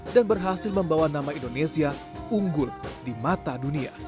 dan berhasil membawa nama indonesia unggul di mata dunia